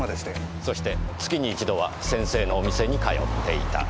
そして月に一度は先生のお店に通っていた。